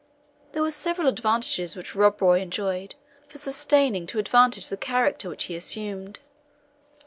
There were several advantages which Rob Roy enjoyed for sustaining to advantage the character which he assumed.